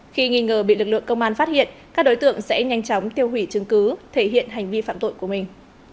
khi nghi ngờ bị lực lượng công an phát hiện các đối tượng sẽ nhanh chóng tiêu hủy chứng cứ thể hiện hành vi phạm tội của mình